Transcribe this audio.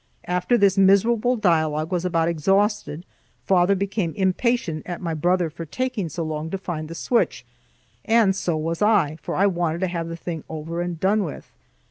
After this miserable dialogue was about exhausted, father became impatient at my brother for taking so long to find the switch; and so was I, for I wanted to have the thing over and done with.